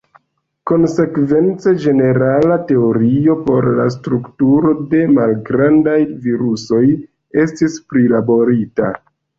Konsekvence, ĝenerala teorio por la strukturo de malgrandaj virusoj estis prilaborita.